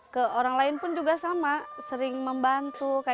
ke orang lain pun juga sama sering membantu